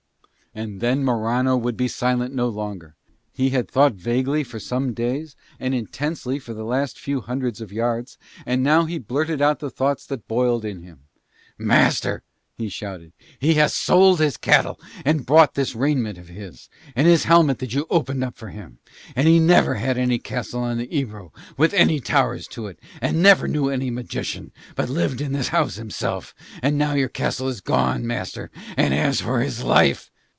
And then Morano would be silent no longer. He had thought vaguely for some days and intensely for the last few hundreds yards, and now he blurted out the thoughts that boiled in him. "Master," he shouted, "he has sold his cattle and bought this raiment of his, and that helmet that you opened up for him, and never had any castle on the Ebro with any towers to it, and never knew any magician, but lived in this house himself, and now your castle is gone, master, and as for his life